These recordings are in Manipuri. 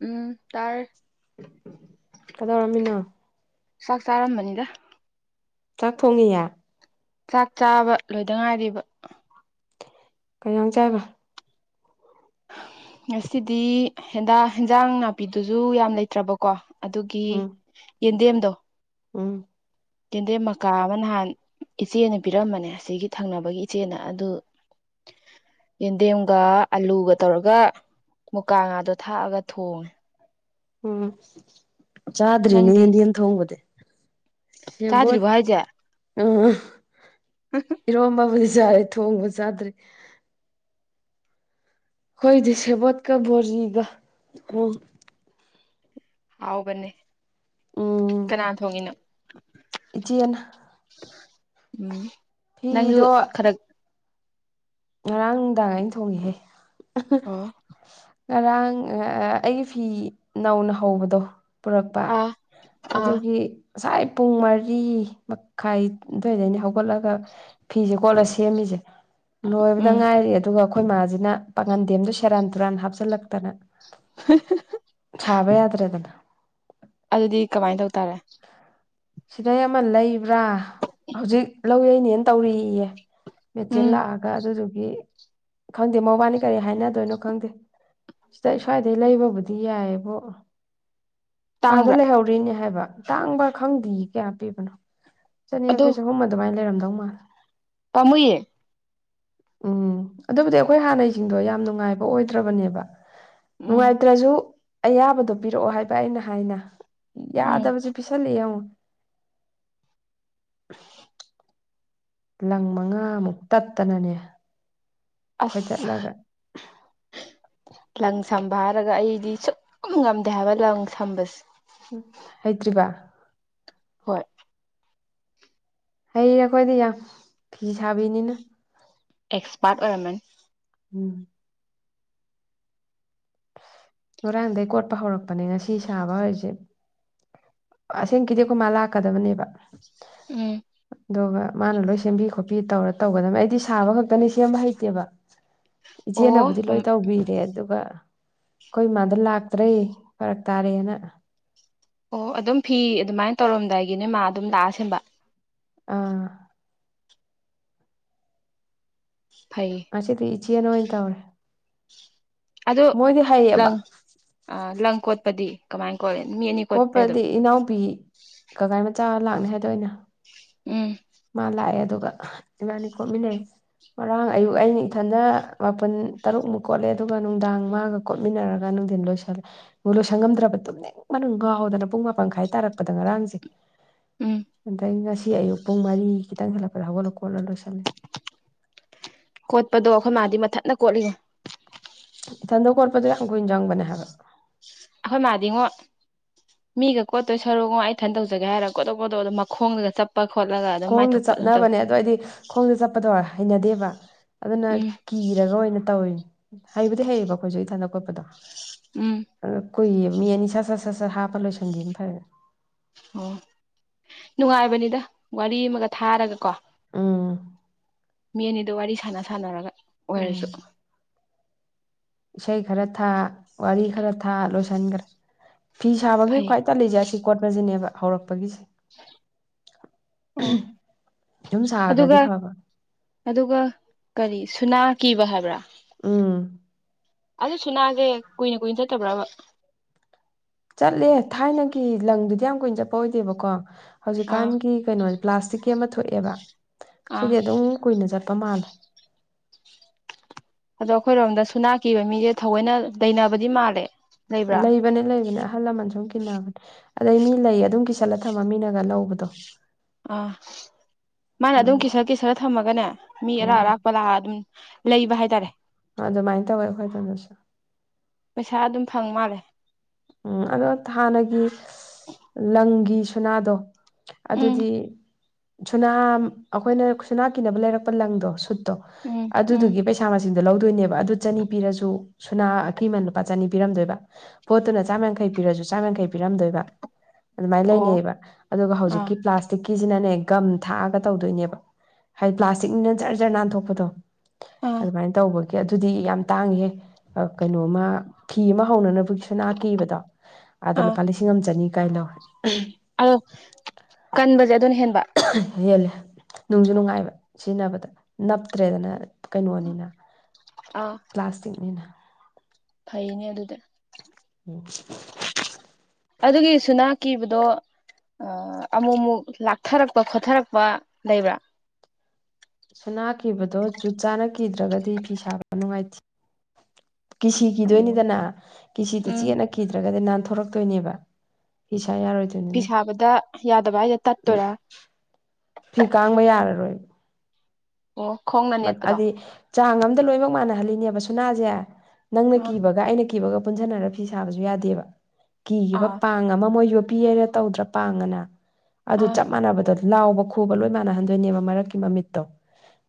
ꯎꯝ ꯇꯔ ꯀꯗꯧꯔꯝꯃꯤꯅꯣ ꯆꯥꯛ ꯆꯥꯔꯝꯕꯅꯤꯗ ꯆꯥꯛ ꯊꯣꯡꯉꯤꯑꯦ ꯆꯥꯛ ꯆꯥꯕ ꯂꯣꯏꯗ ꯉꯥꯏꯔꯤꯕ ꯀꯩ [unintelligible] ꯆꯥꯏꯕ ꯉꯁꯤꯗꯤ ꯍꯦꯟꯗꯥꯛ ꯍꯦꯟꯖꯥꯡ ꯅꯥꯄꯤꯗꯨꯁꯨ ꯌꯥꯝ ꯂꯩꯇ꯭ꯔꯕꯀꯣ ꯑꯗꯨꯒꯤ ꯎꯝ ꯌꯦꯟꯗꯦꯝꯗꯣ ꯎꯝ ꯌꯦꯟꯗꯦꯝ ꯃꯀꯥ ꯑꯃ ꯅꯍꯥꯟ ꯏꯆꯦꯅ ꯄꯤꯔꯝꯕꯅꯦ ꯑꯁꯤꯒꯤꯒꯤ ꯊꯪꯅꯕꯒꯤ ꯏꯆꯦꯅ ꯑꯗꯨ ꯌꯦꯟꯗꯦꯝꯒ ꯑꯂꯨꯒ ꯇꯧꯔꯒ ꯃꯨꯀꯥ ꯉꯥꯗꯣ ꯊꯥꯛꯑꯒ ꯊꯣꯡꯉꯦ ꯎꯝ ꯆꯥꯗ꯭ꯔꯤꯅꯦ ꯅꯪꯗꯤ ꯌꯦꯟꯗꯦꯝ ꯊꯣꯡꯕꯗꯤ ꯁꯦꯕꯣꯠ ꯆꯥꯗ꯭ꯔꯤꯕꯣ ꯍꯥꯏꯁꯦ ꯎꯝ ꯏꯔꯣꯝꯕꯕꯨꯗꯤ ꯆꯥꯔꯦ ꯊꯣꯡꯕ ꯆꯥꯗ꯭ꯔꯤ ꯑꯩꯈꯣꯏꯗꯤ ꯁꯦꯕꯣꯠꯀ ꯕꯣꯔꯤꯒ ꯎ ꯍꯥꯎꯕꯅꯤ ꯎꯝ ꯀꯅꯥꯅ ꯊꯣꯡꯉꯤꯅꯣ ꯏꯆꯦꯅ ꯐꯤꯗꯣ [unintelligible] ꯉꯔꯥꯡ ꯅꯨꯡꯗꯥꯡ ꯑꯩꯅ ꯊꯣꯡꯉꯍꯦ ꯑꯣ ꯉꯔꯥꯡ ꯑꯩꯒꯤ ꯐꯤ ꯅꯧꯅ ꯍꯧꯕꯗꯣ ꯄꯨꯔꯛꯄ ꯑꯥ ꯑꯥ ꯑꯗꯨꯒꯤ ꯉꯁꯥꯏ ꯄꯨꯡ ꯃꯔꯤ ꯃꯈꯥꯏ ꯑꯗꯨꯋꯥꯏꯗꯅꯤ ꯍꯧꯒꯠꯂꯒ ꯐꯤꯁꯦ ꯀꯣꯠꯂ ꯁꯦꯝꯃꯤꯁꯦ ꯂꯣꯏꯕꯗ ꯎꯝ ꯉꯥꯏꯔꯤ ꯑꯗꯨꯒ ꯑꯩꯈꯣꯏ ꯃꯥꯁꯤꯅ ꯄꯥꯉꯟꯗꯦꯝꯗꯣ ꯁꯦꯔꯥꯟ ꯇꯨꯔꯥꯟ ꯍꯥꯞꯆꯤꯜꯂꯛꯇꯅ [unintelligible] ꯁꯥꯕ ꯌꯥꯗ꯭ꯔꯦꯗꯗꯥ ꯑꯗꯨꯗꯤ ꯀꯃꯥꯏꯅ ꯇꯧ ꯇꯔꯦ ꯁꯤꯗꯩ ꯑꯃ ꯂꯩꯕ꯭ꯔꯥ ꯍꯧꯖꯤꯛ ꯂꯧ ꯌꯩꯅꯦꯅ ꯇꯧꯔꯤꯌꯦ ꯃꯦꯆꯤꯟ ꯎꯝ ꯂꯥꯛꯑꯒ ꯑꯗꯨꯗꯨꯒꯤ ꯈꯪꯗꯦ ꯃꯕꯥꯅꯤ ꯀꯔꯤ ꯍꯥꯏꯅꯗꯣꯏꯅꯣ ꯈꯪꯗꯦ ꯁꯤꯗ ꯁ꯭ꯋꯥꯏꯗꯩ ꯂꯩꯕꯕꯨꯗꯤ ꯌꯥꯏꯑꯕꯣ ꯑꯥꯗ ꯇꯥꯡꯕ꯭ꯔꯥ ꯂꯩꯍꯧꯔꯤꯅꯦ ꯍꯥꯏꯕ ꯇꯥꯡꯕ ꯈꯪꯗꯦ ꯀꯌꯥ ꯄꯤꯕꯅꯣ ꯆꯅꯤ ꯑꯗꯣ ꯌꯥꯡꯈꯩ ꯆꯍꯨꯝ ꯑꯗꯨꯃꯥꯏꯅ ꯂꯩꯔꯝꯗꯧ ꯃꯥꯜꯂꯦ ꯄꯝꯃꯨꯏꯌꯦ ꯎꯝ ꯑꯗꯨꯕꯨꯗꯤ ꯑꯩꯈꯣꯏ ꯍꯥꯟꯅꯩꯁꯤꯡꯗꯣ ꯌꯥꯝ ꯅꯨꯡꯉꯥꯏꯕ ꯑꯣꯏꯗ꯭ꯔꯕꯅꯦꯕ ꯎꯝ ꯅꯨꯡꯉꯥꯏꯇ꯭ꯔꯁꯨ ꯑꯌꯥꯕꯗꯣ ꯄꯤꯔꯛꯑꯣ ꯍꯥꯏꯕ ꯑꯩꯅ ꯍꯥꯏꯅ ꯎꯝ ꯌꯥꯗꯕꯁꯤ [unintelligible] ꯂꯪ ꯃꯉꯥꯃꯨꯛ ꯇꯠꯇꯅꯅꯦ ꯑꯁ ꯐꯣꯏꯗꯠꯂꯒ ꯂꯪ ꯁꯝꯕ ꯍꯥꯏꯔꯒ ꯑꯩꯗꯤ ꯁꯨꯝ ꯉꯝꯗꯦ ꯍꯥꯏꯕ ꯂꯪ ꯁꯝꯕꯁꯦ ꯎ ꯍꯩꯇ꯭ꯔꯤꯕ ꯍꯣꯏ ꯍꯩꯔ ꯑꯩꯈꯣꯏꯗꯤ ꯌꯥꯝ ꯐꯤ ꯁꯥꯕꯤꯅꯤꯅ ꯑꯦꯛꯁꯄꯥꯔꯠ ꯑꯣꯏꯔꯝꯃꯥꯃꯤ ꯎꯝ ꯉꯔꯥꯡꯗꯒꯤ ꯀꯣꯠꯄ ꯍꯧꯔꯛꯄꯅꯦ ꯉꯁꯤ ꯁꯥꯕ ꯍꯧꯁꯦ ꯑꯁꯦꯡꯀꯤꯗꯤ ꯑꯩꯈꯣꯏ ꯃꯥ ꯂꯥꯛꯀꯗꯕꯅꯦꯕ ꯎꯝ ꯑꯗꯨꯒ ꯃꯥꯅ ꯂꯣꯏ ꯁꯦꯝꯕꯤ ꯈꯣꯠꯄꯤ ꯇꯧꯔ ꯇꯧꯒꯗꯕ ꯑꯩꯗꯤ ꯁꯥꯕ ꯈꯛꯇꯅꯤ ꯁꯦꯝꯕ ꯍꯩꯇꯦꯕ ꯑꯣ ꯏꯆꯦꯅꯕꯨꯗꯤ ꯂꯣꯏ ꯇꯧꯕꯤꯔꯦ ꯑꯗꯨꯒ ꯑꯩꯈꯣꯏ ꯏꯃꯗꯣ ꯂꯥꯛꯇ꯭ꯔꯦ ꯐꯔꯛ ꯇꯥꯔꯦꯅ ꯑꯣ ꯑꯗꯨꯝ ꯐꯤ ꯑꯗꯨꯃꯥꯏꯅ ꯇꯧꯔꯝꯗꯥꯏꯒꯤꯅꯦ ꯃꯥ ꯑꯗꯨꯝ ꯂꯥꯛꯑꯥ ꯁꯦꯝꯕ ꯑꯥ ꯐꯩ ꯉꯁꯤꯗꯤ ꯏꯆꯦꯅ ꯑꯣꯏꯅ ꯇꯧꯔꯦ ꯑꯗꯣ ꯃꯣꯏꯗꯤ ꯍꯩꯌꯦꯕ ꯂꯪ ꯑ ꯂꯪ ꯀꯣꯠꯄꯗꯤ ꯀꯃꯥꯏꯅ ꯀꯧꯂꯦ ꯃꯤ ꯑꯅꯤ ꯀꯣꯠꯄꯔꯥ ꯑꯗꯨꯝ ꯏꯅꯥꯎꯄꯤ ꯀꯒꯥꯏ ꯃꯆꯥ ꯂꯥꯛꯅꯤ ꯍꯥꯏꯗ ꯑꯣꯏꯅ ꯎꯝ ꯃꯥ ꯂꯥꯛꯑꯦ ꯑꯗꯨꯒ ꯏꯕꯥꯅꯤ ꯀꯣꯠꯃꯤꯟꯅꯔꯦ ꯉꯔꯥꯡ ꯑꯌꯨꯛ ꯑꯩꯅ ꯏꯊꯟꯗ ꯃꯥꯄꯜ ꯇꯔꯨꯛꯃꯨꯛ ꯀꯣꯠꯂꯦ ꯑꯗꯨꯒ ꯅꯨꯡꯗꯥꯡ ꯃꯥꯒ ꯀꯣꯠꯃꯤꯟꯅꯔꯒ ꯅꯨꯡꯊꯤꯟ ꯂꯣꯏꯁꯤꯜꯂꯦ [unintelligible] ꯂꯣꯏꯁꯪꯉꯝꯗ꯭ꯔꯕꯗꯨꯣꯅꯤꯡꯦꯛ ꯃꯅꯨꯡ ꯉꯥꯎꯍꯧꯗꯅ ꯄꯨꯡ ꯃꯥꯄꯟ ꯈꯥꯏ ꯇꯥꯔꯛꯄꯗ ꯉꯔꯥꯡꯁꯦ ꯎꯝ ꯑꯗꯩ ꯉꯁꯤ ꯑꯌꯨꯛ ꯄꯨꯡ ꯃꯔꯤ ꯈꯤꯇꯪ ꯍꯜꯂꯛꯄꯗ ꯍꯧꯒꯠꯂ ꯀꯣꯠꯂ ꯂꯣꯏꯁꯤꯜꯂꯦ ꯀꯣꯠꯄꯗꯣ ꯑꯩꯈꯣꯏ ꯃꯥꯗꯤ ꯃꯊꯠꯅ ꯀꯣꯠꯂꯤꯉꯣ ꯏꯊꯟꯗ ꯀꯣꯠꯄꯗ ꯌꯥꯝ ꯀꯨꯏꯅ ꯆꯪꯕꯅꯦ ꯍꯥꯏꯕ ꯑꯩꯈꯣꯏ ꯃꯥꯗꯤꯉꯣ ꯃꯤꯒ ꯀꯣꯠꯇꯣꯏ ꯁꯔꯨꯒꯣ ꯑꯩ ꯏꯊꯟ ꯇꯧꯖꯒꯦ ꯍꯥꯏꯔꯒ ꯈꯣꯠꯇꯧꯄꯣꯠꯇꯣ ꯑꯗꯨꯝ ꯃꯈꯣꯡꯗꯒ ꯆꯄ ꯈꯣꯠꯂꯒ ꯑꯗꯨꯝ ꯈꯣꯡꯗ ꯃꯥꯏꯊꯣꯛꯄ ꯑꯗꯨꯝ ꯇꯧꯋꯤ ꯆꯠꯅꯕꯅꯦ ꯑꯗꯣ ꯑꯩꯗꯤ ꯈꯣꯡꯗ ꯆꯞꯄꯗꯣ ꯍꯩꯅꯗꯦꯕ ꯑꯗꯨꯅ ꯎꯝ ꯀꯤ [unintelligible] ꯑꯣꯏꯅ ꯇꯧꯔꯤꯅꯤ ꯍꯩꯕꯨꯗꯤ ꯍꯩꯌꯦꯕ ꯑꯩꯈꯣꯏꯁꯨ ꯏ ꯊꯅ ꯈꯣꯠꯄꯗꯣ ꯎꯝ ꯑꯗ ꯀꯨꯏꯌꯦ ꯃꯤ ꯑꯅꯤ ꯁ ꯁꯠ ꯁꯠ ꯁꯠ ꯍꯥꯞꯄ ꯂꯣꯏꯁꯟꯒꯦꯅ ꯐꯔꯦꯅꯦ ꯑꯣ ꯅꯨꯡꯉꯥꯏꯕꯅꯤꯗ ꯋꯥꯔꯤ ꯑꯃꯒ ꯊꯥꯔꯒꯀꯣ ꯎꯝ ꯃꯤ ꯑꯅꯤꯗꯨ ꯋꯥꯔꯤ ꯁꯥꯟꯅ ꯁꯥꯟꯅꯔꯒ ꯎꯝ ꯑꯣꯏꯔꯁꯨ ꯏꯁꯩ ꯈꯔ ꯊꯥ ꯋꯥꯔꯤ ꯈꯔ ꯊꯥ ꯂꯣꯏꯁꯤꯟꯈ꯭ꯔꯦ ꯐꯤ ꯁꯥꯕꯒꯤ ꯐꯩ ꯈ꯭ꯋꯥꯏ ꯇꯜꯂꯤꯖꯦ ꯑꯁꯤ ꯀꯣꯠꯄꯁꯤꯅꯦꯕ ꯍꯧꯔꯛꯄꯒꯤꯁꯦ ꯎꯝ ꯌꯨꯝ ꯁꯥꯈ꯭ꯔꯗꯤ ꯑꯗꯨꯒ ꯐꯕ ꯑꯗꯨꯒ ꯀꯔꯤ ꯁꯨꯅꯥ ꯀꯤꯕ ꯍꯥꯏꯕ꯭ꯔꯥ ꯎꯝ ꯑꯗꯨꯁꯨꯨ ꯅꯥꯒꯦ ꯀꯨꯏꯅ ꯀꯨꯏꯅ ꯆꯠꯇꯕ꯭ꯔꯕ ꯆꯠꯂꯦ ꯊꯥꯏꯅꯒꯤ ꯂꯪꯗꯨꯗꯤ ꯌꯥꯝ ꯀꯨꯏꯅ ꯆꯠꯄ ꯑꯣꯏꯗꯦꯕꯀꯣ ꯑꯥ ꯍꯧꯖꯤꯛꯀꯥꯟꯒꯤ ꯀꯩꯅꯣ ꯄ꯭ꯂꯥꯁꯇꯤꯛꯀꯤ ꯑꯃ ꯊꯣꯛꯑꯦꯕ ꯑꯥ ꯁꯤꯗꯤ ꯑꯗꯨꯝ ꯀꯨꯏꯅ ꯆꯠꯄ ꯃꯥꯜꯂꯦ ꯑꯗꯣ ꯑꯩꯈꯣꯏꯔꯣꯝꯗ ꯁꯨꯅꯥ ꯀꯤꯕ ꯃꯤꯁꯦ ꯊꯑꯣꯏꯅ ꯂꯩꯅꯕꯗꯤ ꯃꯥꯜꯂꯦ ꯂꯩꯕ꯭ꯔꯥ ꯂꯩ ꯏꯕꯅꯦ ꯂꯩꯕꯅꯦ ꯑꯍꯜ ꯂꯃꯟ ꯁꯨꯝ ꯀꯤꯟꯅꯕꯅꯦ ꯑꯗꯩ ꯃꯤ ꯂꯩ ꯑꯗꯨꯝ ꯀꯤꯁꯜꯂ ꯊꯝꯃ ꯃꯤꯅꯒ ꯂꯧꯕꯗꯣ ꯑꯥ ꯃꯥꯅ ꯑꯗꯨꯝ ꯀꯤꯁꯔ ꯀꯤꯁꯔ ꯊꯝꯃꯒꯅꯦ ꯃꯤ ꯑꯔꯥ ꯎꯝ ꯑꯔꯥꯛꯄ ꯂꯥꯛꯑ ꯑꯗꯨꯝ ꯂꯩꯕ ꯍꯥꯏꯇꯥꯔꯦ ꯑꯗꯨꯃꯥꯏꯅ ꯇꯧꯋꯦ ꯑꯩꯈꯣꯏꯗꯅꯁꯨ ꯄꯩꯁꯥ ꯑꯗꯨꯝ ꯐꯪ ꯃꯥꯜꯂꯦ ꯎꯝ ꯑꯗꯣ ꯍꯥꯟꯅꯒꯤ ꯂꯪꯒꯤ ꯁꯨꯅꯥꯗꯣ ꯎꯝ ꯑꯗꯨꯗꯤ ꯁꯨꯅꯥꯝ ꯑꯩꯈꯣꯏꯅ ꯁꯨꯅꯥ ꯀꯤꯅꯕ ꯂꯩꯔꯛꯄ ꯂꯪꯗꯣ ꯁꯨꯠ ꯗꯣ ꯎꯝ ꯎꯝ ꯑꯗꯨꯗꯨꯒꯤ ꯄꯩꯥ [unintelligible] ꯃꯁꯤꯡꯗꯣ ꯂꯧꯗꯣꯏꯅꯦꯕ ꯑꯗꯨ ꯆꯅꯤ ꯄꯤꯔꯁꯨ ꯁꯨꯅꯥ ꯑꯀꯤꯃ ꯂꯨꯄꯥ ꯆꯅꯤ ꯄꯤꯔꯝꯗꯣꯏꯕ ꯄꯣꯠꯇꯨꯅ ꯆꯥꯝ ꯌꯥꯡꯈꯩ ꯄꯤꯔꯁꯨ ꯆꯥꯝꯃ ꯌꯥꯡꯈꯩ ꯄꯤꯔꯝꯗꯣꯏꯕ ꯑꯗꯨꯃꯥꯏꯅ ꯑꯣ ꯂꯩꯅꯩꯕ ꯑꯗꯨꯒ ꯑꯥ ꯍꯧꯖꯤꯛꯀꯤ ꯄ꯭ꯂꯥꯁ ꯄ꯭ꯂꯥꯁꯇꯤꯛꯀꯤꯁꯤꯅꯅꯦ ꯒꯝ ꯊꯥꯛꯑꯒ ꯇꯧꯗꯣꯏꯅꯦꯕ ꯍꯥꯏꯗꯤ ꯄ꯭ꯂꯥꯁꯇꯤꯛꯅꯤꯅ ꯖꯔ ꯖꯔ ꯅꯥꯟꯊꯣꯛꯄꯗꯣ ꯑꯥ ꯑꯗꯨꯃꯥꯏꯅ ꯇꯧꯕꯒꯤ ꯑꯗꯨꯗꯤ ꯌꯥꯝ ꯇꯥꯡꯏꯍꯦ ꯀꯩꯅꯣꯝꯃ ꯐꯤ ꯑꯃ ꯍꯧꯅꯅꯕꯒꯤꯁꯨ ꯅꯥ ꯀꯤꯕꯗꯣ ꯑꯗ ꯑꯥ ꯂꯨꯄꯥ ꯂꯤꯁꯤꯡ ꯑꯃ ꯆꯅꯤ ꯀꯥꯏ ꯂꯧꯋꯦ ꯑꯗꯣ ꯀꯟꯕꯁꯦ ꯑꯗꯨꯅ ꯍꯦꯟꯕ ꯌꯦꯜꯂꯦ ꯅꯨꯡꯖꯨ ꯅꯨꯡꯉꯥꯏꯕ ꯁꯤꯖꯤꯟꯅꯕꯗ ꯅꯞꯇ꯭ꯔꯦꯗꯅ ꯀꯩꯅꯣꯅꯤꯅ ꯑ ꯄ꯭ꯂꯥꯁꯇꯤꯛꯅꯤꯅ ꯐꯩꯅꯦ ꯑꯗꯨꯗꯤ [unintelligible] ꯑꯗꯨꯒꯤ ꯁꯨꯅꯥ ꯀꯤꯕꯗꯣ ꯑ ꯑꯃꯨꯛ ꯑꯃꯨꯛ ꯂꯥꯛꯊꯔꯛꯄ ꯈꯣꯊꯔꯛꯄ ꯂꯩꯕ꯭ꯔꯥ ꯁꯨꯅꯥ ꯀꯤꯈꯤꯕꯗꯣ ꯖꯨꯠ ꯆꯥꯅ ꯀꯤꯗ꯭ꯔꯒꯗꯤ ꯐꯤ ꯁꯥꯕ ꯅꯨꯡꯉꯥꯏꯇꯦ ꯀꯤꯁꯤ ꯀꯤꯗꯣꯏꯅꯤꯗꯅ ꯀꯤꯁꯤꯗꯨ ꯎꯝ ꯆꯦꯅ ꯀꯤꯗ꯭ꯔꯒꯗꯤ ꯅꯥꯟꯊꯣꯔꯛꯇꯣꯏꯅꯦꯕ ꯐꯤ ꯁꯥ ꯌꯥꯔꯣꯏꯗꯣꯏ ꯐꯤ ꯁꯥꯕꯗ ꯌꯥꯗꯕ ꯍꯥꯏꯁꯦ ꯇꯠꯇꯣꯏꯔꯥ ꯐꯤ ꯀꯥꯡꯕ ꯌꯥꯔꯔꯣꯏꯕ ꯑꯣ ꯈꯣꯡ ꯍꯥꯏꯗꯤ ꯆꯥꯡ ꯑꯝꯗ ꯂꯣꯏꯅꯃꯛ ꯃꯥꯟꯅꯍꯜꯂꯤꯅꯦꯕ ꯁꯨꯅꯥꯁꯦ ꯅꯪꯅ ꯑꯥ ꯀꯤꯕꯒ ꯑꯩꯅ ꯀꯤꯕꯒ ꯄꯨꯟꯁꯤꯟꯅꯔ ꯐꯤ ꯁꯥꯕꯁꯨ ꯌꯥꯗꯦꯕ ꯀꯤꯈꯤꯕ ꯑꯥ [unintelligible] ꯑꯗꯨ ꯑꯥ ꯆꯞ ꯃꯅꯕꯗ ꯂꯥꯎꯕ ꯈꯨꯕ ꯂꯣꯏ ꯃꯥꯟꯅꯍꯟꯗꯣꯏꯅꯦꯕ ꯃꯔꯛꯀꯤ ꯃꯃꯤꯠꯇꯣ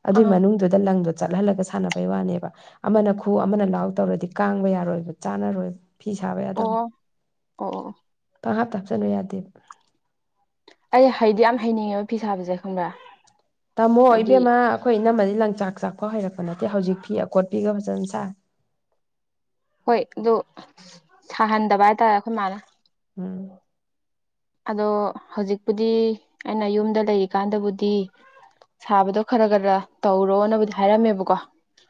ꯑꯗꯨꯏ ꯑꯥ ꯃꯅꯨꯡꯗꯨꯗ ꯂꯪꯗꯨ ꯆꯠꯍꯜꯂꯒ ꯁꯥꯟꯅꯕꯩ ꯋꯥꯅꯦꯕ ꯑꯃꯅ ꯈꯨ ꯑꯃꯅ ꯂꯥꯎ ꯇꯧꯔꯗꯤ ꯀꯥꯡꯕ ꯌꯥꯔꯣꯏꯕ ꯆꯥꯅꯔꯣꯏꯕ ꯐꯤ ꯁꯥꯕ ꯑꯣ ꯌꯥꯗꯕ ꯑꯣ ꯑꯣ ꯄꯪ ꯍꯥꯥꯞꯇ ꯍꯥꯞꯆꯤꯟꯕ ꯌꯥꯗꯦꯕ ꯑꯩ ꯍꯥꯏꯗꯤ ꯌꯥꯝ ꯍꯩꯅꯤꯡꯉꯦꯕ ꯐꯤ ꯁꯥꯕꯁꯦ ꯈꯪꯕ꯭ꯔꯥ ꯇꯥꯃꯣ ꯍꯥꯏꯗꯤ ꯏꯕꯦꯝꯃ ꯑꯩꯈꯣꯏ ꯏꯅꯝꯝꯕꯗꯤ ꯂꯪꯆꯥꯛ ꯆꯥꯛꯄ ꯍꯩꯔꯛꯄ ꯅꯠꯇꯦ ꯍꯧꯖꯤꯛ ꯄꯤ ꯈꯣꯠꯄꯤꯒ ꯐꯖꯅ ꯁꯥꯥꯏ ꯍꯣꯏ ꯑꯗꯨ ꯁꯥꯍꯟꯗꯕ ꯍꯥꯏꯇꯥꯔꯦ ꯑꯩꯈꯣꯏ ꯃꯥꯅ ꯎꯝ ꯑꯗꯣ ꯍꯧꯖꯤꯛꯄꯨꯗꯤ ꯑꯩꯅ ꯌꯨꯝꯗ ꯂꯩꯔꯤꯀꯥꯟꯗꯕꯨꯗꯤ ꯁꯥꯕꯗꯣ ꯈꯔ ꯈꯔ ꯇꯧꯔꯣꯅꯕꯨꯗꯤ ꯍꯥꯏꯔꯝꯃꯦꯕꯀꯣ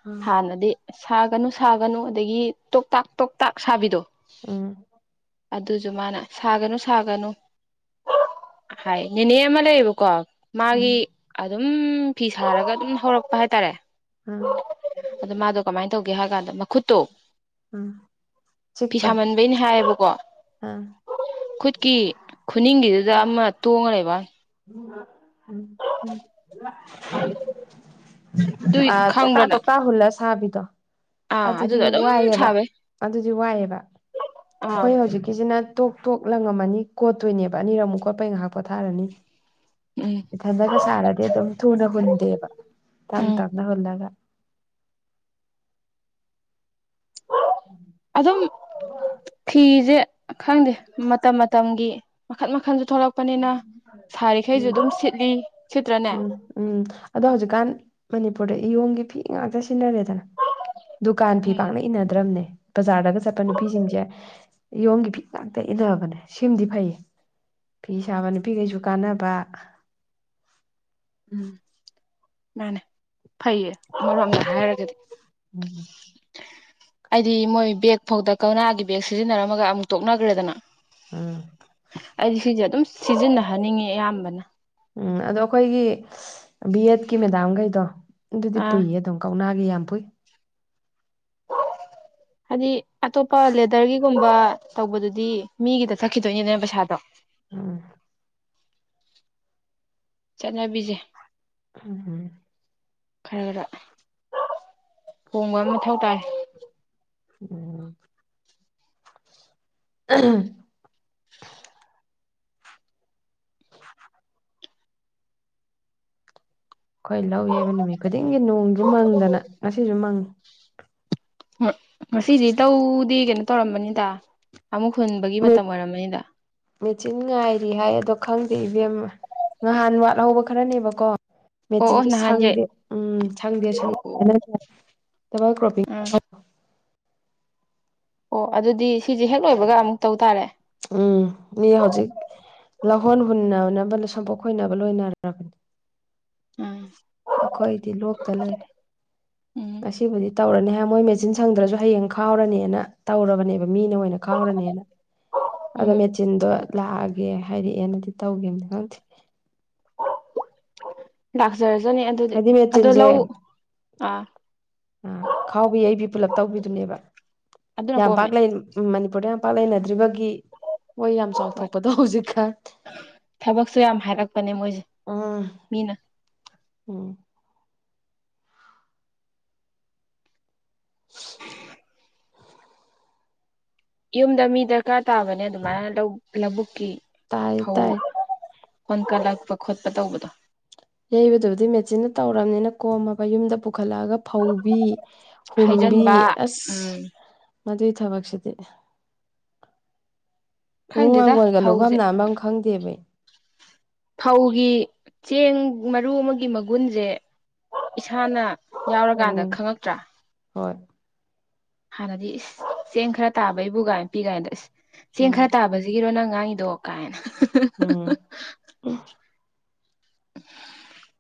ꯎꯝ ꯍꯥꯟꯅꯗꯤ ꯁꯥꯒꯅꯨ ꯁꯥꯒꯅꯨ ꯑꯗꯒꯤ ꯇꯣꯛꯇꯥꯛ ꯇꯣꯛꯇꯥꯛ ꯁꯥꯕꯤꯗꯣ ꯎ ꯑꯗꯨꯁꯨ ꯃꯥꯅ ꯁꯥꯒꯅꯨ ꯁꯥꯒꯅꯨ ꯍꯥꯏ ꯅꯦꯅꯦ ꯑꯃ ꯂꯩꯌꯦꯕꯀꯣ ꯎꯝ ꯃꯥꯒꯤ ꯑꯗꯨꯝ ꯐꯤ ꯁꯥꯔꯒ ꯑꯗꯨꯝ ꯍꯧꯔꯛꯄ ꯍꯥꯏꯇꯥꯔꯦ ꯑ ꯑꯗꯣ ꯃꯥꯗꯣ ꯀꯃꯥꯏꯅ ꯇꯧꯒꯦ ꯍꯥꯏ ꯀꯥꯟꯗ ꯃꯈꯨꯠꯇꯣ ꯎꯝ ꯆꯤꯛꯄꯔꯥ [unintelligible] ꯍꯥꯏꯌꯦꯕꯀꯣ ꯑꯥ ꯈꯨꯠꯀꯤ ꯈꯨꯅꯤꯡꯒꯤꯗꯨꯗ ꯑꯃ ꯇꯣꯡꯉ ꯂꯩꯕ ꯎꯝ ꯑꯗꯨ ꯑ ꯆꯀꯥ ꯈꯪꯕ꯭ꯔꯅ ꯆꯀꯥ ꯍꯂ ꯁꯥꯕꯤꯗ ꯑꯥ ꯑꯗꯨꯗꯤ ꯑꯗꯨꯗꯣ ꯑꯗꯨꯝ ꯋꯥꯏꯑꯕ ꯑꯗꯨꯗꯤ ꯋꯥꯏꯑꯦꯕ ꯑ ꯑꯩꯈꯣꯏ ꯍꯧꯖꯤꯛꯀꯤꯁꯤꯅ ꯇꯣꯛ ꯇꯣꯛ ꯂꯪꯉꯝꯃꯅꯤ ꯀꯣꯠꯇꯣꯏꯅꯦꯕ ꯑꯅꯤꯔꯝꯃꯨꯛ ꯀꯣꯠꯄꯩ ꯉꯥꯏꯍꯥꯛ ꯄꯣꯊꯥꯔꯅꯤ ꯎꯝ ꯏꯟꯊꯂꯒ ꯁꯥꯔꯗꯤ ꯑꯗꯨꯝ ꯊꯨꯅ ꯍꯨꯟꯗꯦꯕ ꯇꯞ ꯎꯝ ꯇꯞꯅ ꯍꯨꯜꯂꯒ ꯑꯗꯨꯝ ꯐꯤꯁꯦ ꯈꯪꯗꯦ ꯃꯇꯝ ꯃꯇꯝꯒꯤ ꯃꯈꯟ ꯃꯈꯟꯁꯨ ꯊꯣꯛꯂꯛꯄꯅꯤꯅ ꯁꯥꯔꯤꯈꯩꯁꯨ ꯎꯝ ꯑꯗꯨꯝ ꯁꯤꯠꯂꯤ ꯁꯤꯠꯇ꯭ꯔꯅꯦ ꯎꯝ ꯎꯝ ꯑꯗꯣ ꯍꯧꯖꯤꯛꯀꯥꯟ ꯃꯅꯤꯄꯨꯔꯗ ꯏꯌꯣꯡꯒꯤ ꯐꯤ ꯉꯥꯛꯇ ꯁꯤꯖꯤꯟꯅꯔꯦꯗꯅ ꯗꯨꯀꯥꯟ ꯐꯤ ꯎꯝ ꯄꯥꯛꯅ ꯏꯟꯗ꯭ꯔꯕꯅꯦ ꯕꯖꯥꯔꯗꯒ ꯆꯠꯄ ꯅꯨꯄꯤꯁꯤꯡꯁꯦ ꯏꯌꯣꯡꯒꯤ ꯐꯤ ꯉꯥꯛꯇ ꯏꯟꯅꯔꯥꯕꯅꯦ ꯁꯤꯃꯗꯤ ꯐꯩꯌꯦ ꯐꯤ ꯁꯥꯕ ꯅꯨꯄꯤꯈꯩꯁꯨ ꯀꯥꯟꯅꯕ ꯎꯝ ꯃꯥꯅꯦ ꯐꯩꯌꯦ ꯑꯃꯔꯣꯝꯗ ꯍꯥꯏꯔꯒꯗꯤ ꯎꯝꯝ ꯍꯥꯏꯗꯤ ꯃꯣꯏ ꯕꯦꯒ ꯐꯥꯎꯗ ꯀꯧꯅꯥꯒꯤ ꯕꯦꯒ ꯁꯤꯖꯤꯟꯅꯔꯝꯃꯒ ꯑꯃꯨꯛ ꯇꯣꯛꯅꯈ꯭ꯔꯦꯗꯅ ꯎꯝ ꯑꯩꯗꯤ ꯁꯤꯁꯦ ꯑꯗꯨꯝ ꯁꯤꯖꯤꯟꯅꯍꯟꯅꯤꯡꯉꯦ ꯑꯌꯥꯝꯕꯅ ꯎꯝ ꯑꯗꯣ ꯑꯩꯈꯣꯏꯒꯤ ꯕꯤ ꯑꯦꯠꯀꯤ ꯃꯦꯗꯥꯝꯈꯩꯗꯣ ꯑꯗꯨꯗꯤ ꯑꯥ ꯄꯨꯏꯌꯦ ꯑꯗꯨꯝ ꯀꯧꯅꯥꯒꯤ ꯌꯥꯝ ꯄꯨꯨꯏ [inaudible] ꯍꯥꯏꯗꯤ ꯑꯇꯣꯞꯄ ꯂꯦꯗꯔꯒꯤꯒꯨꯝꯕ ꯇꯧꯕꯗꯨꯗꯤ ꯃꯤꯒꯤꯗ ꯆꯠꯈꯤꯗꯣꯏꯅꯤꯗꯅ ꯄꯩꯁꯥꯗꯣ ꯎꯝ ꯆꯠꯅꯕꯤꯁꯦ ꯎꯝꯝ ꯈꯔ ꯈꯔ ꯍꯣꯡꯕ ꯑꯃ ꯃꯊꯧ ꯇꯥꯏ ꯎꯝꯝ ꯎꯝ [unintelligible] [inaudible] [inaudible] ꯑꯩꯈꯣꯏ ꯂꯧ ꯌꯩꯕꯥ ꯅꯨꯃꯤꯠ ꯈꯨꯗꯤꯡꯒꯤ ꯅꯣꯡꯁꯨ ꯃꯪꯗꯅ ꯉꯁꯤꯁꯨ ꯃꯪꯏ ꯍꯣꯏ ꯉꯁꯤꯗꯤ ꯇꯧꯗꯤ ꯀꯩꯅꯣ ꯇꯧꯔꯝꯃꯥꯅꯤꯗ ꯑꯃꯨꯛ ꯍꯨꯟꯕꯒꯤ ꯃꯇꯝ ꯑꯣꯏꯔꯝꯃꯥꯅꯤꯗ ꯃꯦꯆꯤꯟ ꯉꯥꯏꯔꯤ ꯍꯥꯏ ꯑꯗꯣ ꯈꯪꯗꯦ ꯏꯕꯦꯝꯃꯥ ꯅꯍꯥꯟ ꯋꯥꯠꯍꯧꯕ ꯈꯔꯅꯦꯕꯀꯣ ꯑꯣ ꯑꯣ ꯃꯦꯆꯤꯟꯁꯨ ꯅꯍꯥꯟꯁꯦ ꯁꯪꯗꯦ ꯎꯝ ꯁꯪꯗꯦ ꯁꯪꯗꯦ [unintelligible] ꯎꯝ ꯑꯣ ꯑꯗꯨꯗꯤ ꯁꯤꯁꯦ ꯍꯦꯛ ꯂꯣꯏꯕꯒ ꯑꯃꯨꯛ ꯇꯧ ꯇꯥꯔꯦ ꯎꯝ ꯃꯤ ꯍꯧꯖꯤꯛ ꯂꯧꯍꯣꯟ ꯍꯨꯟꯅꯅꯕꯅꯦ ꯁꯝꯄꯣꯛ ꯈꯣꯏꯅꯕ ꯂꯣꯏꯅꯔꯕꯝꯅꯦ ꯎꯝ ꯑꯩꯈꯣꯏꯗꯤ ꯂꯣꯛꯇ ꯂꯩꯔꯦ ꯎꯝ ꯉꯁꯤꯕꯨꯗꯤ ꯇꯧꯔꯅꯤ ꯍꯥꯏ ꯃꯣꯏ ꯃꯦꯆꯤꯟ ꯁꯪꯗ꯭ꯔꯁꯨ ꯍꯌꯦꯡ ꯈꯥꯎꯔꯅꯤꯅ ꯇꯧꯔꯕꯅꯦꯕ ꯃꯤꯅ ꯑꯣꯏꯅ ꯈꯥꯎꯔꯅꯤꯅ ꯑꯗꯣ ꯎꯝ ꯃꯦꯆꯤꯟꯗꯣ ꯂꯥꯛꯑꯒꯦ ꯍꯥꯏꯔꯛꯑꯦꯅꯗꯤ ꯇꯧ‍ꯈꯤꯕꯥꯅꯦ ꯈꯪꯗꯦ ꯂꯥꯛꯆꯔꯖꯅꯤ ꯑꯗꯨꯗꯤ ꯍꯥꯏꯗꯤ ꯑꯗꯣ ꯃꯦꯆꯤꯟꯁꯦ ꯂꯧ ꯑꯥ ꯑ ꯈꯥꯎꯕꯤ ꯌꯩꯕꯤ ꯄꯨꯂꯞ ꯇꯧꯕꯤꯗꯨꯅꯦꯕ ꯑꯗꯨꯅ ꯌꯥꯝ ꯄꯥꯛ ꯀꯣꯝꯃꯦ ꯂꯩ ꯎꯝ ꯃꯅꯤꯄꯨꯔꯗ ꯌꯥꯝ ꯄꯥꯥꯛꯅꯥ ꯂꯩꯅꯗ꯭ꯔꯤꯕꯒꯤ ꯃꯣꯏ ꯎꯝ ꯍꯣꯏ ꯊꯕꯛꯁꯨ ꯌꯥꯝ ꯍꯥꯏꯔꯛꯄꯅꯦ ꯃꯣꯏꯁꯦ ꯎꯝ ꯃꯤꯅ ꯎꯝ ꯌꯨꯝꯗ ꯃꯤ ꯗꯔꯀꯥꯔ ꯇꯥꯕꯅꯦ ꯑꯗꯨꯃꯥꯏꯅ ꯂꯧ ꯂꯧꯕꯨꯛꯀꯤ ꯇꯥꯏ ꯐꯧ ꯇꯥꯏ ꯍꯣꯟ ꯀꯠꯂꯛꯄ ꯈꯣꯠꯄ ꯇꯧꯕꯗꯣ ꯌꯩꯕꯗꯨꯕꯨꯗꯤ ꯃꯦꯆꯤꯟꯅ ꯇꯧꯔꯕꯅꯤꯅ ꯀꯣꯝꯃꯕ ꯌꯨꯝꯗ ꯄꯨꯈꯠꯂꯛꯑꯒ ꯐꯧꯕꯤ ꯍꯨꯝꯕꯤ ꯍꯩꯖꯤꯟꯕ ꯑꯁ ꯎꯝ ꯃꯗꯨꯏ ꯊꯕꯛꯁꯤꯗꯤ ꯏꯃꯨꯡ ꯈꯪꯗꯦꯗ ꯋꯥꯡꯒꯣꯟꯒ ꯂꯨꯐꯝ ꯐꯧꯁꯦ ꯅꯥꯟꯃꯝ ꯈꯪꯗꯦꯕ ꯐꯧꯒꯤ ꯆꯦꯡ ꯃꯔꯨ ꯑꯃꯒꯤ ꯃꯒꯨꯟꯁꯦ ꯏꯁꯥꯅ ꯌꯥꯎꯔꯀꯥꯟꯗ ꯎꯝ ꯈꯪꯉꯛꯇ꯭ꯔꯥ ꯍꯣꯏ ꯍꯥꯟꯅꯗꯤ ꯏꯁ ꯆꯦꯡ ꯈꯔ ꯇꯥꯕꯩꯕꯨ ꯀꯥꯏꯅ ꯄꯤꯛꯏ ꯀꯟꯗ ꯑꯁ ꯆꯦꯡ ꯎꯝ ꯈꯔ ꯇꯥꯕꯁꯤꯒꯤꯔꯣ ꯅꯪ ꯉꯥꯡꯏꯗꯣ ꯀꯥꯏꯅꯥ [unintelligible] ꯎꯝ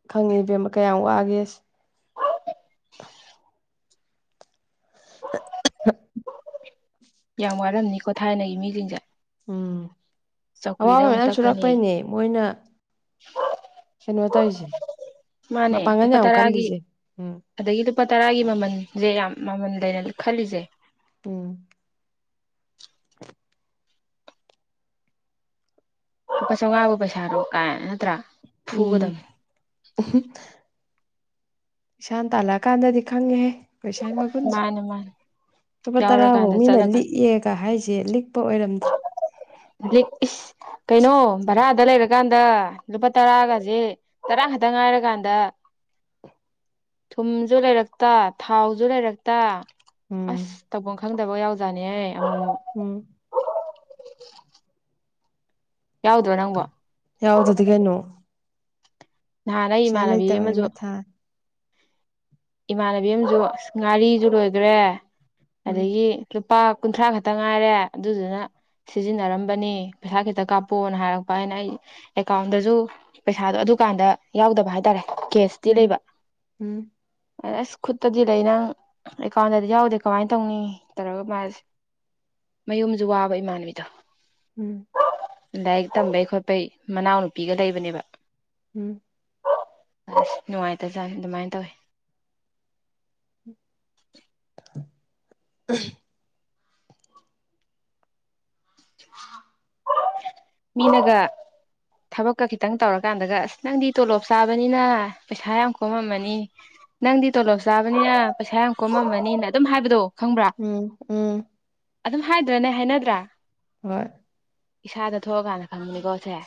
ꯈꯪꯉꯤ ꯏꯕꯦꯝꯃ ꯀꯌꯥꯝ ꯋꯥꯒꯦ [unintelligible] ꯌꯥꯝ ꯋꯥꯔꯝꯅꯤꯀꯣ ꯊꯥꯏꯅꯒꯤ ꯃꯤꯁꯤꯡꯁꯦ ꯎꯝ ꯆꯧꯀ꯭ꯔꯤꯗ ꯑꯃꯨꯛ ꯇꯛꯀꯅꯤ ꯑꯦ ꯃꯣꯏꯅ ꯀꯩꯅꯣ ꯇꯧꯔꯤꯁꯦ ꯃꯥꯅꯦ ꯃꯄꯥꯡꯒꯟ ꯂꯨꯄꯥ ꯌꯥꯝ ꯇꯔꯥꯒꯤ ꯀꯜꯂꯤꯁꯦ ꯎꯝ ꯑꯗꯒꯤ ꯂꯨꯄꯥ ꯇꯔꯥꯒꯤ ꯃꯃꯜꯁꯦ ꯌꯥꯝ ꯃꯃꯜ ꯂꯩꯅ ꯈꯜꯂꯤꯁꯦ ꯎꯝ ꯂꯨꯄꯥ ꯆꯧꯉꯥꯕꯨ ꯄꯩꯁꯥꯔꯣ ꯀꯥꯏ ꯅꯠꯇ꯭ꯔꯥ ꯎꯝ ꯐꯨꯒꯗꯕꯅꯤ [unintelligible] ꯏꯁꯥꯅ ꯇꯥꯜꯂꯛꯑꯀꯥꯟꯗꯗꯤ ꯈꯪꯉꯦꯍ ꯄꯩꯁꯥ ꯃꯥꯅꯦ ꯃꯥꯅꯦ [unintelligible] ꯂꯨꯄꯥ ꯇꯔꯥ ꯐꯥꯎ ꯌꯥꯎꯔꯀꯥꯟꯗ ꯃꯤꯅ ꯆꯠꯂꯀꯥꯟꯗ ꯂꯤꯛꯑꯦ ꯀ ꯍꯥꯏꯁꯦ ꯂꯤꯛꯄ ꯑꯣꯏꯔꯝꯗ꯭ꯔꯦ ꯂꯤ ꯏꯁ ꯀꯩꯅꯣ ꯕꯔꯗ ꯂꯩꯔꯛ ꯀꯥꯟꯗ ꯂꯨꯄꯥ ꯇꯔꯥꯒꯁꯦ ꯇꯔꯥ ꯈꯛꯇ ꯉꯥꯏꯔꯀꯥꯟꯗ ꯊꯨꯝꯁꯨ ꯂꯩꯔꯛꯇ ꯊꯥꯎꯁꯨ ꯂꯩꯔꯛꯇ ꯎꯝ ꯑꯁ ꯇꯧꯐꯝ ꯈꯪꯗꯕ ꯌꯥꯎꯖꯥꯠꯅꯤꯍꯦ ꯑꯃꯨꯛ ꯑꯃꯨꯛ ꯎꯝ ꯌꯥꯎꯗ꯭ꯔꯣ ꯅꯪꯕꯣ ꯌꯥꯎꯗꯗꯤ ꯀꯩꯅꯣ ꯅꯍꯥꯟ ꯑꯩ ꯄꯩꯁꯥ ꯏꯃꯥꯟꯅꯕꯤ ꯂꯩꯇꯕꯩ ꯑꯃꯁꯨ ꯃꯊꯥ ꯏꯃꯥꯟꯅꯕꯤ ꯑꯃꯁꯨ ꯑꯁ ꯉꯥꯔꯤꯁꯨ ꯂꯣꯏꯒ꯭ꯔꯦ ꯎꯝ ꯑꯗꯒꯤ ꯂꯨꯄꯥ ꯀꯨꯟꯊ꯭ꯔꯥ ꯈꯛꯇ ꯉꯥꯏꯔꯦ ꯑꯗꯨꯗꯨꯅ ꯁꯤꯖꯤꯟꯅꯔꯝꯕꯅꯤ ꯄꯩꯁꯥ ꯈꯤꯇ ꯀꯥꯞꯄꯣꯅ ꯍꯥꯏꯔꯛꯄ ꯑꯩꯅ ꯑꯩ ꯑꯦꯀꯥꯎꯟꯗꯁꯨ ꯄꯩꯁꯥꯗꯣ ꯑꯗꯨꯀꯥꯟꯗ ꯌꯥꯎꯗꯕ ꯍꯥꯏꯇꯥꯔꯦ ꯀꯦꯁ ꯎꯝ ꯎꯝ ꯑꯁ ꯈꯨꯠꯇꯗꯤ ꯂꯩ ꯅꯪ ꯑꯦꯀꯥꯎꯟꯗꯗꯤ ꯌꯥꯎꯗꯦ ꯀꯃꯥꯏꯅ ꯇꯧꯅꯤ ꯇꯧꯔꯒ ꯃꯥꯁꯦ ꯃꯌꯨꯝꯁꯨ ꯋꯥꯕ ꯏꯃꯥꯟꯅꯕꯤꯗꯣ ꯎꯝ ꯂꯥꯏꯔꯤꯛ ꯇꯝꯕꯩ ꯈꯣꯠꯄꯩ ꯃꯅꯥꯎ ꯅꯨꯄꯤꯒ ꯂꯩꯕꯅꯦꯕ ꯎꯝ ꯑꯁ ꯅꯨꯡꯉꯥꯏꯇꯖꯥꯠꯅꯤ ꯑꯗꯨꯃꯥꯏꯅ ꯇꯧꯋꯤ [unintelligible] ꯃꯤꯅꯒ ꯊꯕꯛꯀ ꯈꯤꯇꯪ ꯇꯧꯔꯀꯥꯟꯗꯒ ꯑꯁ ꯅꯪꯗꯤ ꯇꯣꯂꯣꯞ ꯆꯥꯕꯅꯤꯅ ꯄꯩꯁꯥ ꯌꯥꯝ ꯀꯣꯝꯃꯝꯃꯅꯤ ꯅꯪꯗꯤ ꯇꯣꯂꯣꯞ ꯆꯥꯕꯅꯤꯅ ꯄꯩꯁꯥ ꯌꯥꯝ ꯀꯣꯝꯃꯝꯃꯅꯤꯅ ꯑꯗꯨꯝ ꯍꯥꯏꯕꯗꯣ ꯈꯪꯕ꯭ꯔꯥ ꯎꯝ ꯎꯝ ꯑꯗꯨꯝ ꯍꯥꯏꯗ꯭ꯔꯅꯦ ꯍꯥꯏꯅꯗ꯭ꯔꯥ ꯍꯣꯏ ꯏꯁꯥꯗ ꯊꯣꯛꯑꯀꯥꯟꯗ ꯈꯪꯕꯅꯤꯀꯣ ꯁꯦ